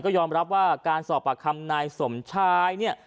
ก็ยอมรับว่าการสอบปากคำนายสมชายเนี่ย